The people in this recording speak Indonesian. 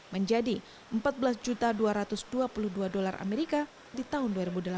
menjadi empat belas dua ratus dua puluh dua dolar amerika di tahun dua ribu delapan belas